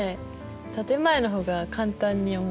建て前の方が簡単に思えた。